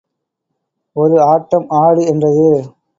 ஒரு ஆட்டம் ஆடு —என்றது.